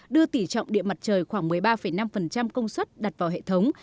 đưa tỉ trọng điện mặt trời khoảng một mươi ba năm công suất đặt vào hệ thống